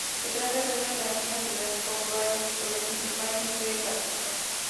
Se trata de una tranquila ciudad portuaria cuya principal industria es la pesca.